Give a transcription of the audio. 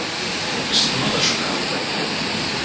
Wissen ma d acekkeṛ?